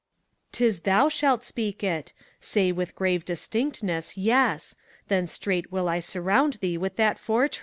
'Tis thou shalt speak it: say with grave distinctness, Yes! Then straight will I surround thee with that fortress.